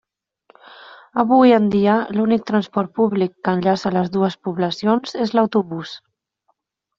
Avui en dia, l'únic transport públic que enllaça les dues poblacions és l'autobús.